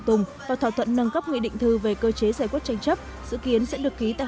tùng và thỏa thuận nâng cấp nghị định thư về cơ chế giải quyết tranh chấp dự kiến sẽ được ký tại